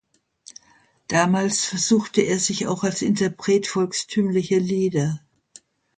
Damals versuchte er sich auch als Interpret volkstümlicher Lieder.